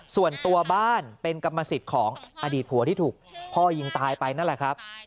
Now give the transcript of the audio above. ส่วนตัวบ้านเป็นกรรมสิทธิ์ของอดีตผัวที่ถูกพ่อยิงตายไปนั่นแหละครับ